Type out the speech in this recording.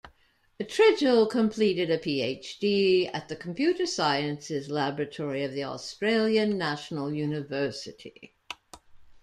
Tridgell completed a PhD at the Computer Sciences Laboratory of the Australian National University.